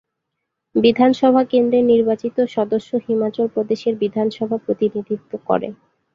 বিধানসভা কেন্দ্রের নির্বাচিত সদস্য হিমাচল প্রদেশের বিধানসভা প্রতিনিধিত্ব করে।